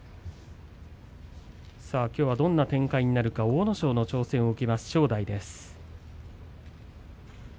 きょうはどんな展開になるか阿武咲の挑戦を受ける正代です。